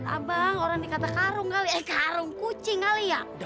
abang orang di kata karung kali ya karung kucing kali ya